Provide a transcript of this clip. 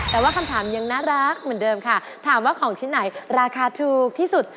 แต่ว่าคำถามยังน่ารักเหมือนเดิมค่ะถามว่าของชิ้นไหนราคาถูกที่สุด